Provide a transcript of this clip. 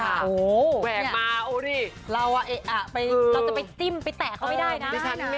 ว่าเราอ่ะไปอือเราจะไปจิ้มไปแตกเขาไม่ได้น่ะนะฮะ